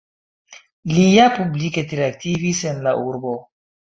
Li ja publike tre aktivis en la urbo.